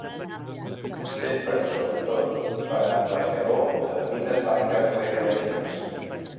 S'empra sobretot, per a embarcador de petites barques recreatives.